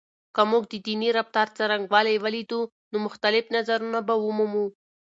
که موږ د دیني رفتار څرنګوالی ولیدو، نو مختلف نظرونه به ومومو.